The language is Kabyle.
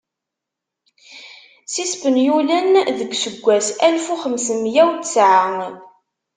S Yispenyulen deg useggas alef u xems mya u tesɛa.